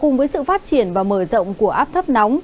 nếu có áp thấp nóng